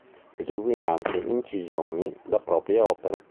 Eseguì anche incisioni da proprie opere.